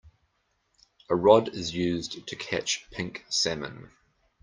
A rod is used to catch pink salmon.